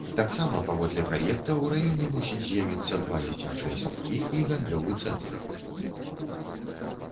Таксама паводле праекта ў раёне мусіць з'явіцца два дзіцячыя садкі і гандлёвы цэнтр.